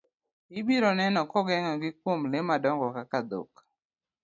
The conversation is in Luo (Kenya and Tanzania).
Ibiro neno kogeng'o gi kuom le madongo kaka dhok.